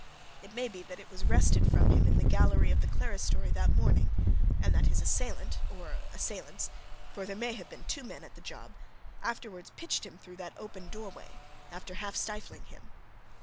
It may be that it was wrested from him in the gallery of the clerestory that morning, and that his assailant, or assailants for there may have been two men at the job afterwards pitched him through that open doorway, after half stifling him.